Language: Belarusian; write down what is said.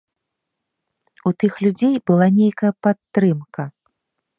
У тых людзей была нейкая падтрымка.